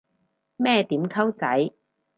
咩點溝仔